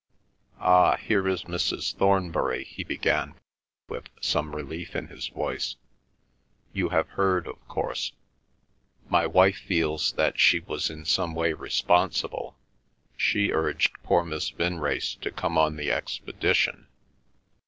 "Ah, here is Mrs. Thornbury," he began with some relief in his voice. "You have heard, of course. My wife feels that she was in some way responsible. She urged poor Miss Vinrace to come on the expedition.